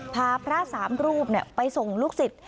พาพระสามรูปไปส่งลูกศิษย์